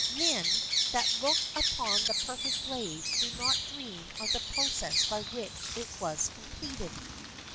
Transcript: Men that look upon the perfect blade do not dream of the process by which it was completed.